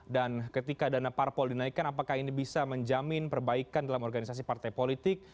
dan ketika dana parpol dinaikkan apakah ini bisa menjamin perbaikan dalam organisasi partai politik